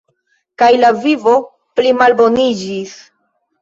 Kaj la vivo plimalboniĝis.